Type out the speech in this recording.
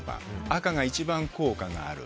赤が一番、効果がある。